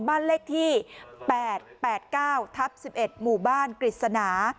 บ้านเลขที่๘๘๙ทับ๑๑หมู่บ้านกฤษณา